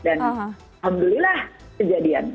dan alhamdulillah kejadian